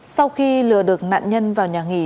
sau khi lừa được nạn nhân vào nhà nghỉ